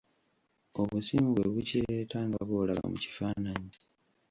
Obusimu bwe bukireeta nga bw'olaba mu kifaananyi.